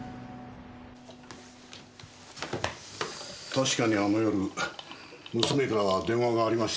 確かにあの夜娘からは電話がありました。